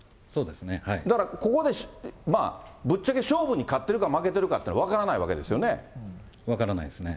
だからここで、ぶっちゃけ勝負に勝ってるか負けてるかっていうのは、分からない分からないですね。